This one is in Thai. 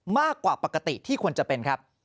มากกว่าปกติที่ควรจะเป็นครับ